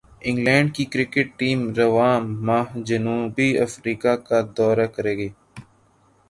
England کی cricket team رواں ماہ جنوبی افریقہ کا دورہ کرے گی